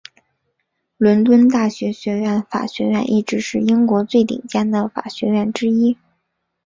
伦敦大学学院法学院一直是英国最顶尖的法学院之一。